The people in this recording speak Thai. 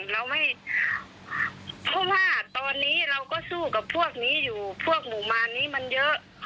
เราไม่เพราะว่าตอนนี้เราก็สู้กับพวกนี้อยู่พวกหมู่มารนี้มันเยอะ